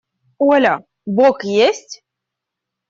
– Оля, бог есть?